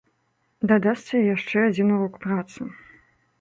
Дадасца і яшчэ адзін урок працы.